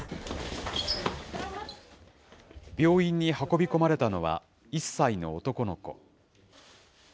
病院に運び込まれたのは、１歳の男の子。